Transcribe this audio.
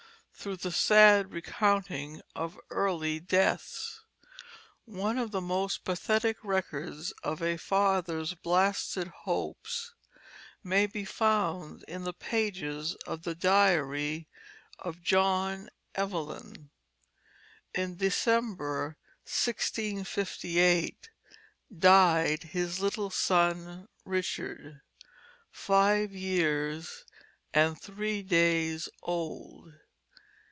through the sad recounting of early deaths. One of the most pathetic records of a father's blasted hopes may be found in the pages of the diary of John Evelyn. In December, 1658, died his little son, Richard, five years and three days old.